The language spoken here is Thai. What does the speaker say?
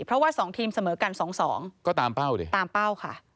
เพราะว่า๒ทีมเสมอกันสองสองก็ตามเป้าดิตามเป้าค่ะ